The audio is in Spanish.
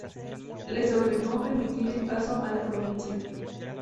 Les ordeno permitir el paso a la Provincia.